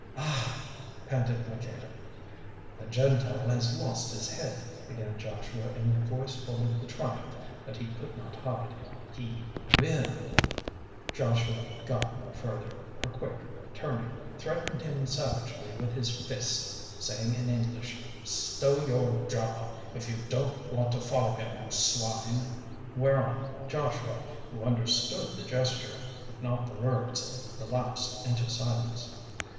"Ah!" panted Maqueda. "The Gentile has lost his head," began Joshua in a voice full of the triumph that he could not hide. "He—will——" Joshua got no further, for Quick, turning, threatened him savagely with his fist, saying in English: "Stow your jaw if you don't want to follow him, you swine," whereon Joshua, who understood the gesture, if not the words, relapsed into silence.